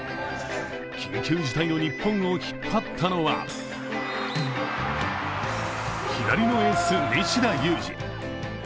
緊急事態の日本を引っ張ったのは左のエース・西田有志。